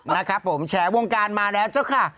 นะครับผมแฉวงการมาแล้วเจ้าค่ะ